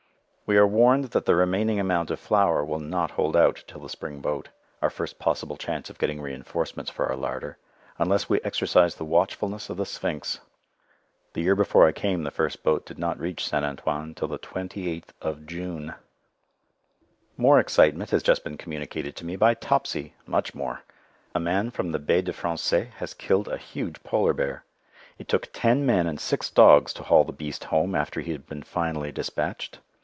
We are warned that the remaining amount of flour will not hold out till the spring boat our first possible chance of getting reinforcements for our larder unless we exercise the watchfulness of the Sphinx. The year before I came the first boat did not reach St. Antoine till the 28th of June. More excitement has just been communicated to me by Topsy: much more. A man from the Baie des Français has killed a huge polar bear. It took ten men and six dogs to haul the beast home after he had been finally dispatched.